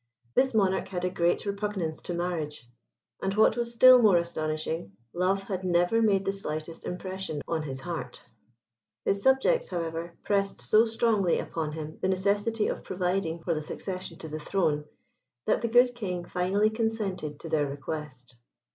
This Monarch had a great repugnance to marriage, and what was still more astonishing, love had never made the slightest impression on his heart. His subjects, however, pressed so strongly upon him the necessity of providing for the succession to the throne, that the good King finally consented to their request.